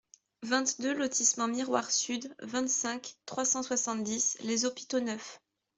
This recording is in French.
vingt-deux lotissement Miroir Sud, vingt-cinq, trois cent soixante-dix, Les Hôpitaux-Neufs